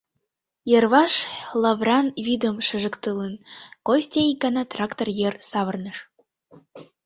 Йырваш лавран вӱдым шыжыктылын, Костя ик гана трактор йыр савырныш.